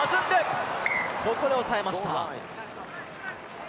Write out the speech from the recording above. ここでおさえました。